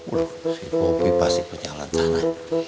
udah si papi pasti punya lancarannya